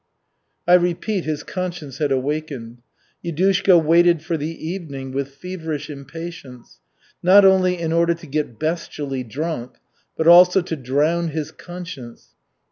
I repeat, his conscience had awakened. Yudushka waited for the evening with feverish impatience not only in order to get bestially drunk, but also to drown his conscience.